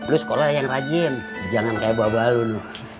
lo sekolah yang rajin jangan kayak bawa balun